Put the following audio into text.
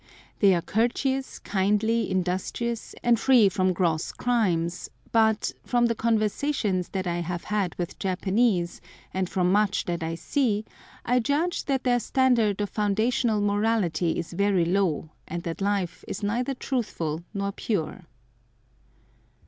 They are courteous, kindly, industrious, and free from gross crimes; but, from the conversations that I have had with Japanese, and from much that I see, I judge that their standard of foundational morality is very low, and that life is neither truthful nor pure.